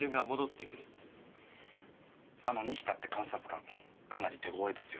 あの仁木田って監察官かなり手ごわいですよ。